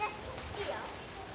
いいよ。